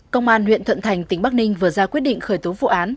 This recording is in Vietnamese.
công an huyện thuận thành tỉnh bắc ninh vừa ra quyết định khởi tố vụ án